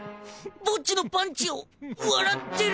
ボッジのパンチを笑ってる？